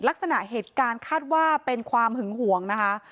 ลักษณะเหตุการณ์คาดว่าเป็นความหึงหวงนะคะ